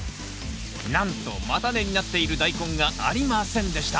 なんと叉根になっているダイコンがありませんでした